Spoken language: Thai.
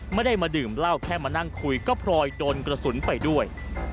ไม่ได้มาดื่มเหล้าแค่มานั่งคุยก็พลอยโดนกระสุนไปด้วย